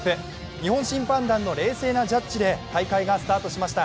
日本審判団の冷静なジャッジで大会がスタートしました。